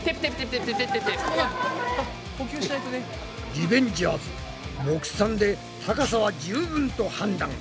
リベンジャーズ目算で高さは十分と判断。